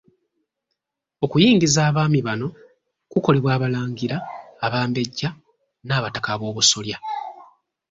Okuyingiza abaami bano kukolebwa abalangira, abambejja, n'abataka ab'obusolya.